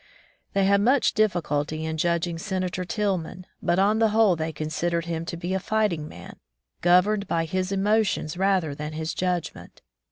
They had much difficulty in judging Senator Tillman, but on the whole they considered him to be a fighting man, governed by his emotions rather than his judgment.